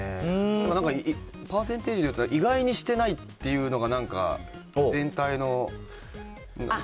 なんかパーセンテージでいうと、意外にしてないっていうのがなんか、全体の、かなって。